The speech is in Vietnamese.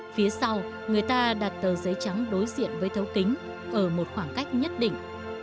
phía sau người ta đặt tờ giấy trắng đối diện với thấu kính ở một khoảng cách nhất định